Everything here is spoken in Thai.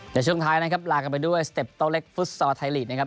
แต่ช่วงท้ายนะครับลากันไปด้วยสเต็ปโต๊ะเล็กฟุตซอร์ไทยลีกนะครับ